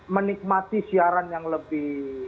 menikmati siaran yang lebih